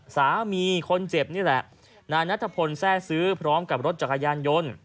สามีคนเจ็บนี่แหละนายนัทพลแทร่ซื้อพร้อมกับรถจักรยานยนต์